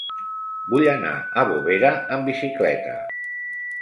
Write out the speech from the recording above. Vull anar a Bovera amb bicicleta.